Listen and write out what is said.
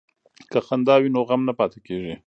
که خندا وي نو غم نه پاتې کیږي.